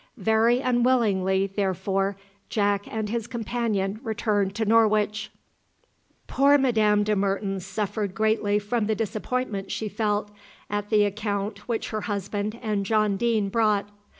Very unwillingly, therefore, Jack and his companion returned to Norwich. Poor Madame de Mertens suffered greatly from the disappointment she felt at the account which her husband and John Deane brought.